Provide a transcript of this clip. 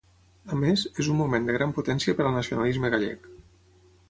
A més, és un moment de gran potència per al nacionalisme gallec.